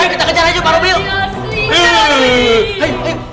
ayo kita kejar aja pak robby yuk